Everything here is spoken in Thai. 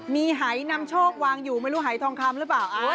มีหายนำโชควางอยู่ไม่รู้หายทองคำหรือเปล่า